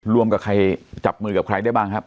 ร่วมกับใครจับมือกับใครได้บ้างครับ